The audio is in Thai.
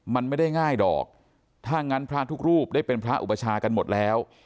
มันไม่ได้ง่ายหรอกถ้างั้นพระทุกรูปได้เป็นพระอุปชากันหมดแล้ว